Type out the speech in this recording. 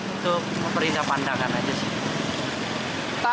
itu perintah pandangan aja sih